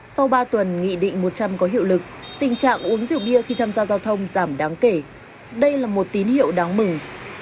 sau ba tuần nghị định một trăm linh có hiệu lực tình trạng uống rượu bia khi tham gia giao thông giảm đáng kể đây là một tín hiệu đáng mừng